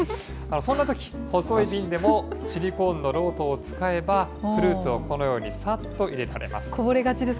そんなとき、細い瓶でもシリコーンの漏斗を使えば、フルーツをこのようにさっと入れ込めます。